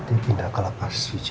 tapi itu bina kelabas that's very